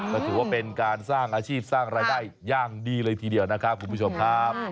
ก็ถือว่าเป็นการสร้างอาชีพสร้างรายได้อย่างดีเลยทีเดียวนะครับคุณผู้ชมครับ